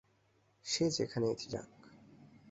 সে যেখানেই যাক।